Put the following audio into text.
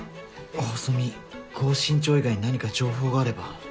細身高身長以外に何か情報があれば。